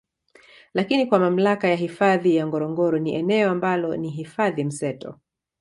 Lakini kwa mamlaka ya hifadhi ya Ngorongoro ni eneo ambalo ni hifadhi mseto